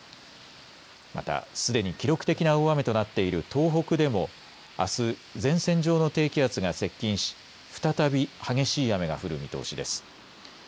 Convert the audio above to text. また、すでに記録的な大雨となっている東北でもあす前線上の低気圧が接近し再び激しい雨が降る見通しです。